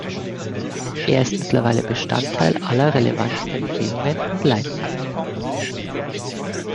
Er ist mittlerweile Bestandteil aller relevanten Empfehlungen und Leitlinien.